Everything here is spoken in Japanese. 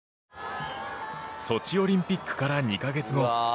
ソチオリンピックから２か月後。